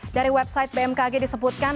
dari website bmkg disebutkan